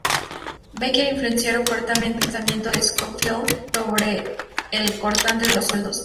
Baker influenciaron fuertemente el pensamiento de Schofield sobre el cortante de los suelos.